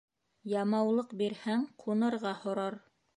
Ямаулыҡ бирһәң, ҡунырға һорар.